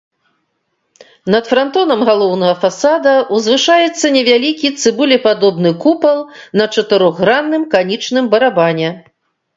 Над франтонам галоўнага фасада ўзвышаецца невялікі цыбулепадобны купал на чатырохгранным канічным барабане.